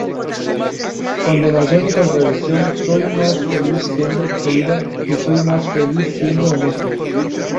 Condenación y contradicción, soy más feliz siendo fluida y soy más feliz siendo honesta".